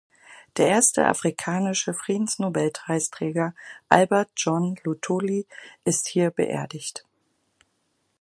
Der erste afrikanische Friedensnobelpreisträger, Albert John Luthuli, ist hier beerdigt.